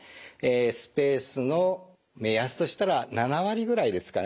スペースの目安としたら７割ぐらいですからね。